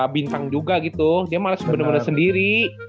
bintang juga gitu dia males bener bener sendiri